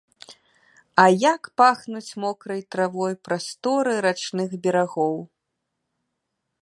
А як пахнуць мокрай травой прасторы рачных берагоў!